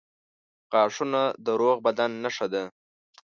• غاښونه د روغ بدن نښه ده.